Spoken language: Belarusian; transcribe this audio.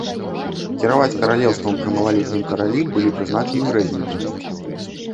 Кіраваць каралеўствам пры малалетнім каралі былі прызначаны рэгенты.